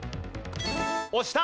押した。